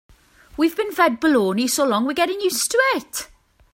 We've been fed baloney so long we're getting used to it.